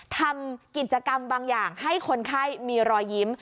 ทำกิจกรรมบางอย่างให้คนไข้มีรอยยิ้ม